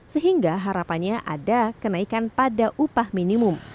sehingga harapannya ada kenaikan pada upah minimum